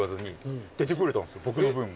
僕の分も。